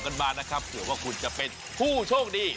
ยักษ์แต่ว่าคุณจะเป็นผู้โชคดี